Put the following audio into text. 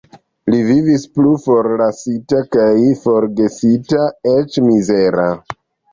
Li vivis plu forlasita kaj forgesita, eĉ mizera.